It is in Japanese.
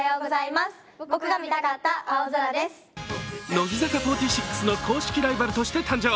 乃木坂４６の公式ライバルとして誕生。